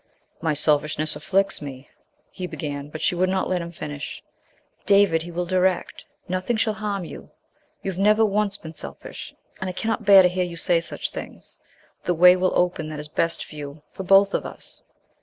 "My selfishness afflicts me " he began, but she would not let him finish. "David, He will direct. Nothing shall harm you. You've never once been selfish, and I cannot bear to hear you say such things. The way will open that is best for you for both of us."